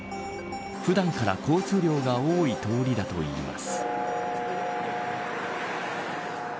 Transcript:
普段から交通量が多い通りだといいます。